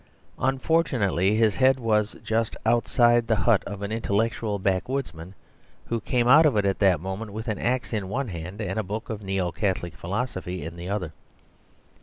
Unfortunately his head was just outside the hut of an intellectual backwoodsman who came out of it at that moment with an axe in one hand and a book of Neo Catholic Philosophy in the other.